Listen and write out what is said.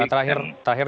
terakhir ya pak kairul